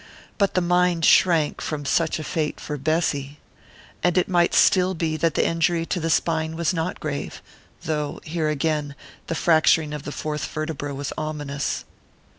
But the mind shrank from such a fate for Bessy. And it might still be that the injury to the spine was not grave though, here again, the fracturing of the fourth vertebra was ominous.